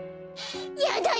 やだよ